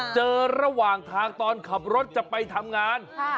ระหว่างทางตอนขับรถจะไปทำงาน